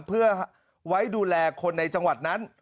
เพื่อไว้ดูแลคนในจังหวัดนั้น